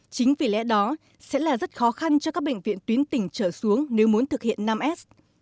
chính vì lẽ đó sẽ là rất khó khăn cho các bệnh viện tuyến tỉnh trở xuống nếu muốn thực hiện năm s